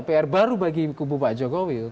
pr baru bagi kubu pak jokowi